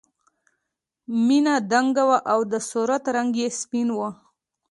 مینه دنګه وه او د صورت رنګ یې سپین و